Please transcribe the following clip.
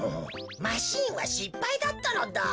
マシーンはしっぱいだったのだ。